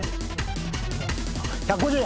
１５０円。